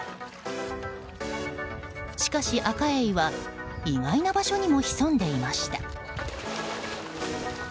しかし、アカエイは意外な場所にも潜んでいました。